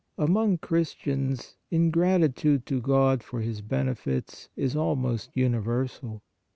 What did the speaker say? Among Christians ingratitude to God for His benefits is almost universal.